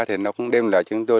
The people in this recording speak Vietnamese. thì nó cũng đem lại cho chúng tôi